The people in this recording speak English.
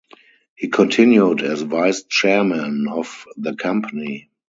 He continued as vice chairman of the company.